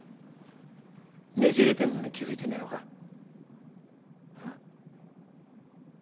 ねじれてんのに気付いてねぇのかん？